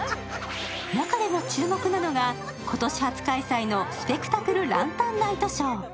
中でも注目なのが今年初開催のスペクタクルランタンナイトショー。